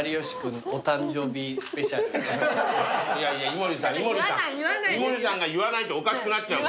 井森さんが言わないとおかしくなっちゃうから。